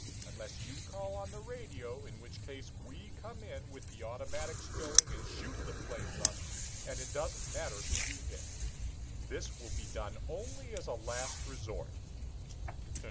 Unless you call on the radio, in which case we come in with the automatics going and shoot the place up, and it doesn't matter who we hit. This will be done only as a last resort."